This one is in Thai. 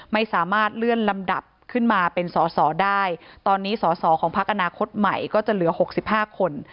ไม่สามารถเลื่อนลำดับขึ้นมาเป็นสอสอได้ตอนนี้สอสอของพักอนาคตใหม่ก็จะเหลือหกสิบห้าคน